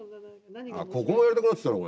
ここもやりたくなってきたな